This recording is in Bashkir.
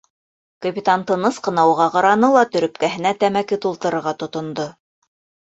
Капитан тыныс ҡына уға ҡараны ла төрөпкәһенә тәмәке тултырырға тотондо.